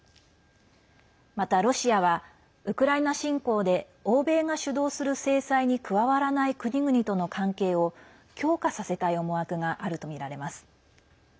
また、ロシアはウクライナ侵攻で欧米が主導する制裁に加わらない国々との関係を強化させたい思惑があるとみられます。